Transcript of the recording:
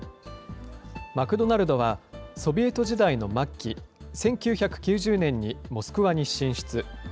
マクドナルドはソビエト時代の末期、１９９０年に、モスクワに進出。